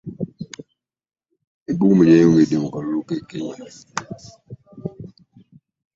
Ebbugumu lyeyongedde mu kalulu k'e Kenya.